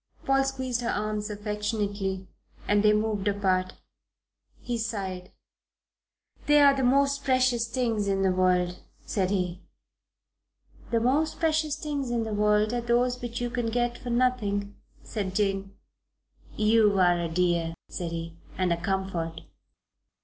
Paul squeezed her arms affectionately and they moved apart. He sighed. "They're the most precious things in the world," said he. "The most precious things in the world are those which you can get for nothing," said Jane. "You're a dear," said he, "and a comfort."